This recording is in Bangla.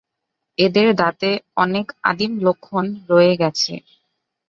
এদের দাঁতে অনেক আদিম লক্ষণ রয়ে গেছে।